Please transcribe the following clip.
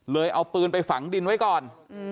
เอาปืนไปฝังดินไว้ก่อน